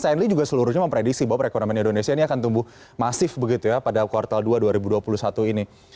dan stanley juga seluruhnya memprediksi bahwa perekonomian indonesia ini akan tumbuh masif pada kuartal dua dua ribu dua puluh satu ini